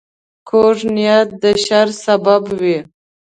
کوږ نیت د شر سبب وي